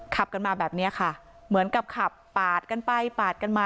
ขับกันมาแบบนี้ค่ะเหมือนกับขับปาดกันไปปาดกันมา